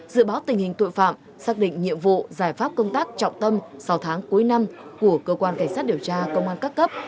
dự báo tình hình tội phạm xác định nhiệm vụ giải pháp công tác trọng tâm sau tháng cuối năm của cơ quan cảnh sát điều tra công an các cấp